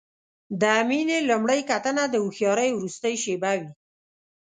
د مینې لومړۍ کتنه د هوښیارۍ وروستۍ شېبه وي.